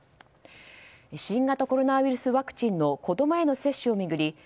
新型コロナウイルスワクチンの子供への接種を巡り